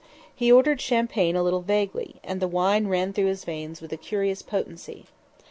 He ordered champagne a little vaguely, and the wine ran through his veins with a curious potency.